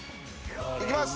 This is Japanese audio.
いきます！